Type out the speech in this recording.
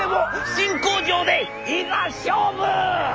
新工場でいざ勝負！」。